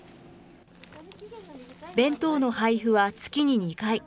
弁当の配布は月に２回。